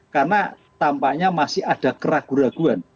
karena tampaknya masih ada keraguan keraguan